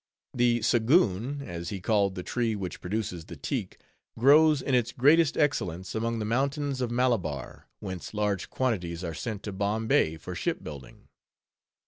The "sagoon" as he called the tree which produces the teak, grows in its greatest excellence among the mountains of Malabar, whence large quantities are sent to Bombay for shipbuilding.